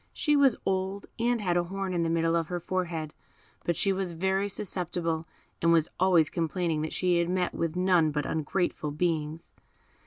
She was old, and had a horn in the middle of her forehead; but she was very susceptible, and was always complaining that she had met with none but ungrateful beings.